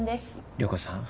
涼子さん